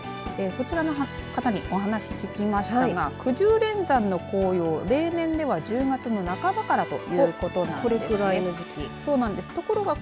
そちらの方にお話聞きましたがくじゅう連山の紅葉例年では１０月の半ばからということなんです。